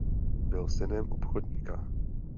Byl synem obchodníka.